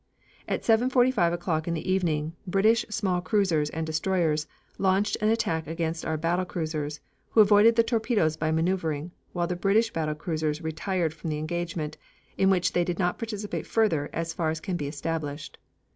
At 7.45 o'clock in the evening British small cruisers and destroyers launched an attack against our battle cruisers, who avoided the torpedoes by maneuvering, while the British battle cruisers retired from the engagement, in which they did not participate further as far as can be established.